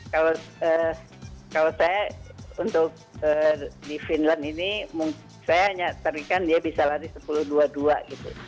kalau saya untuk di finland ini saya hanya terikan dia bisa lari sepuluh dua puluh dua gitu